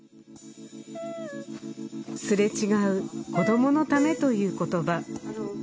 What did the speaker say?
すれ違う「子どものため」という言葉